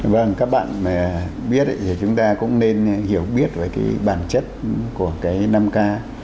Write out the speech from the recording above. vâng các bạn biết thì chúng ta cũng nên hiểu biết về bản chất của năm k